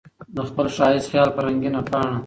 د خپل ښايسته خيال پر رنګينه پاڼه